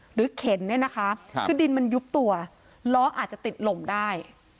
เข็นเนี่ยนะคะคือดินมันยุบตัวล้ออาจจะติดลมได้